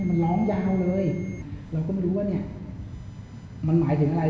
มันร้องยาวเลยเราก็ไม่รู้ว่าเนี่ยมันหมายถึงอะไร